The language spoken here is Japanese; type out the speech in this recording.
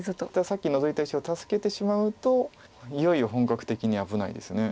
さっきノゾいた石を助けてしまうといよいよ本格的に危ないです。